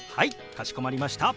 かしこまりました。